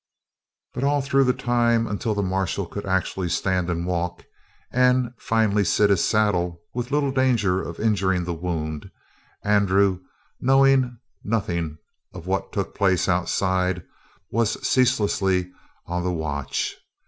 But all through the time until the marshal could actually stand and walk, and finally sit his saddle with little danger of injuring the wound, Andrew, knowing nothing of what took place outside, was ceaselessly on the watch.